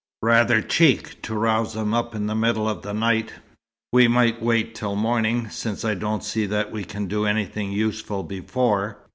"Rather cheek, to rouse him up in the middle of the night. We might wait till morning, since I don't see that we can do anything useful before."